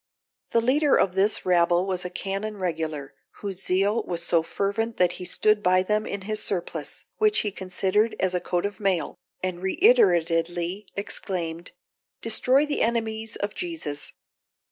The leader of this rabble was a canon regular, whose zeal was so fervent that he stood by them in his surplice, which he considered as a coat of mail, and reiteratedly exclaimed, "Destroy the enemies of Jesus!"